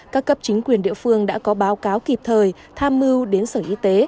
các cấp chính quyền địa phương đã có báo cáo kịp thời tham mưu đến sở y tế